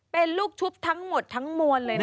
เป็นลูกชุบทั้งหมดทั้งมวลเลยนะคะ